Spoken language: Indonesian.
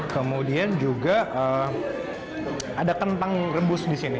kemudian juga ada kentang rebus di sini